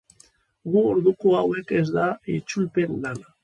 Gu orduko hauek ez da itzulpen lana.